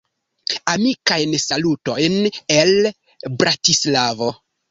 Amikajn salutojn el Bratislavo!